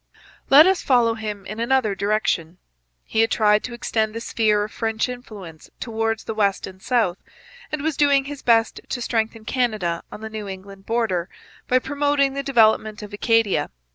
Let us follow him in another direction. He had tried to extend the sphere of French influence towards the west and south, and was doing his best to strengthen Canada on the New England border by promoting the development of Acadia.